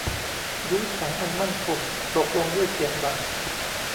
ยุ้งฉางอันมั่นคงตกลงด้วยเสียงดัง